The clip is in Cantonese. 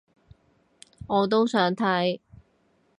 我都想睇